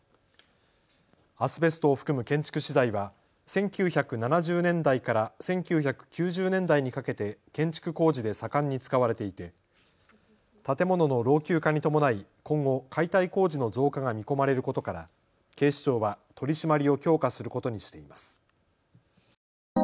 アスベストを含む建築資材は１９７０年代から１９９０年代にかけて建築工事で盛んに使われていて建物の老朽化に伴い今後、解体工事の増加が見込まれることから警視庁は取締りを強化することにしています。